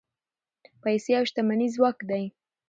پیسې او شتمني ځواک دی.